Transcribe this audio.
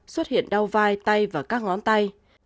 xuất hiện đau vai tay và các ngón tay